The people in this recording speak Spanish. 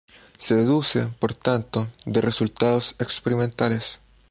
Se deduce, por tanto, de resultados experimentales.